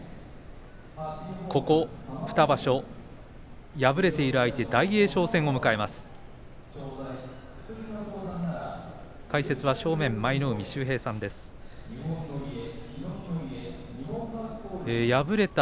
ここ２場所、敗れている相手大栄翔戦を迎えました。